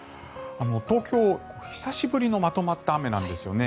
東京、久しぶりのまとまった雨なんですよね。